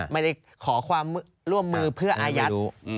ไม่ได้ขอความร่วมมือเพื่ออายัด